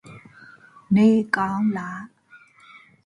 His season earned him the Belgian Player of the Year.